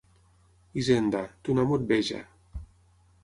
Hisenda, ton amo et veja.